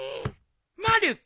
まる子。